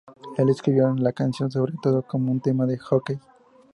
Él escribió la canción sobre todo como un tema de hockey.